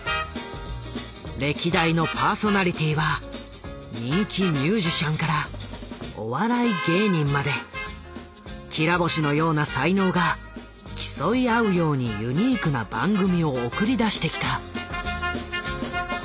歴代のパーソナリティーは人気ミュージシャンからお笑い芸人まできら星のような才能が競い合うようにユニークな番組を送り出してきた。